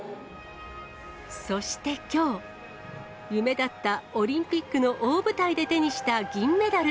そしてきょう、夢だったオリンピックの大舞台で手にした銀メダル。